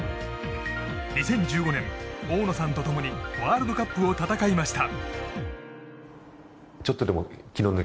２０１５年、大野さんと共にワールドカップを戦いました。